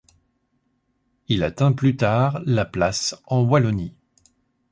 Il atteint plus tard la place en Wallonie.